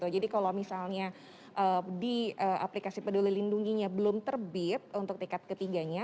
jadi kalau misalnya di aplikasi peduli lindunginya belum terbit untuk tiket ketiganya